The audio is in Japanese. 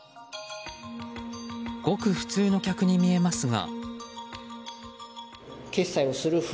ごく普通の客に見えますが。